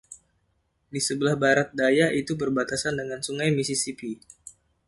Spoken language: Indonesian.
Di sebelah barat daya, itu berbatasan dengan Sungai Mississippi.